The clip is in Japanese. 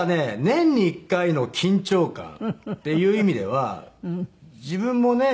年に１回の緊張感っていう意味では自分もね